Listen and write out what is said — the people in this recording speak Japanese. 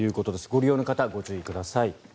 ご利用の方、ご注意ください。